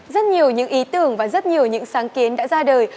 rất nhiều những ý tưởng và rất nhiều những sáng kiến đã ra đời